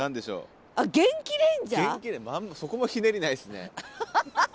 そこもひねりないですね。